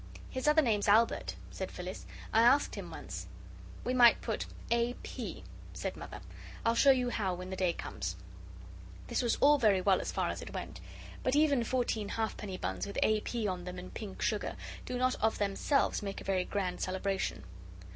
"His other name's Albert," said Phyllis; "I asked him once." "We might put A. P.," said Mother; "I'll show you how when the day comes." This was all very well as far as it went. But even fourteen halfpenny buns with A. P. on them in pink sugar do not of themselves make a very grand celebration.